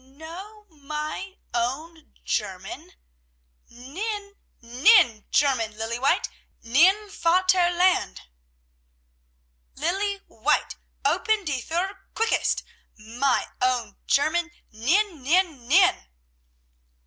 "Know my own German? Nein! Nein! German, Lilly White! Nein Vater Land. "Lilly White, open die Thur, quickest! My own German! Nein! Nein! Nein!